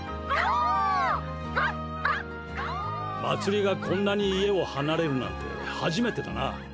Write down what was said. まつりがこんなに家を離れるなんて初めてだな。